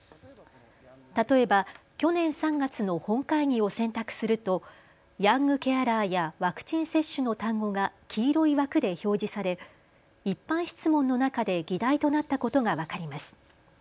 例えば去年３月の本会議を選択するとヤングケアラーやワクチン接種の単語が黄色い枠で表示され一般質問の中で議題となったことが分かります。